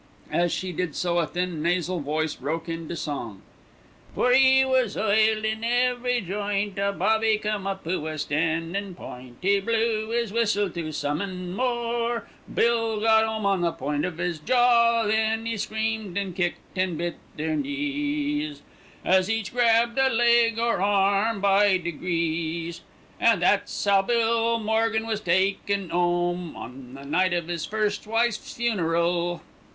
As she did so a thin, nasal voice broke into song: For 'e was oiled in every joint, A bobby came up who was standin' point. He blew 'is whistle to summon more, Bill got 'ome on the point of 'is jaw. Then 'e screamed, an' kicked, an' bit their knees, As each grabbed a leg or an arm by degrees. An' that's 'ow Bill Morgan was taken 'ome On the night of 'is first wife's funeral.